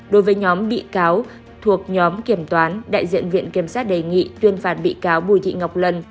đối với nhóm bị cáo thuộc nhóm kiểm toán đại diện viện kiểm sát đề nghị tuyên phạt bị cáo bùi thị ngọc lần